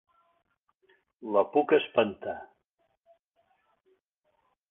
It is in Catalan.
La puc espantar